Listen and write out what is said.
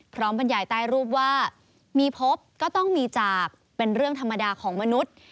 บรรยายใต้รูปว่ามีพบก็ต้องมีจากเป็นเรื่องธรรมดาของมนุษย์